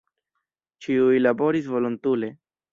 Ĉiuj laboris volontule.